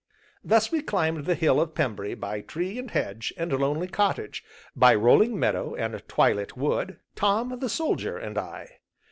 Thus we climbed the hill of Pembry, by tree and hedge, and lonely cottage, by rolling meadow, and twilit wood, Tom the Soldier and I.